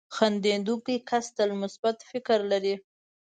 • خندېدونکی کس تل مثبت فکر لري.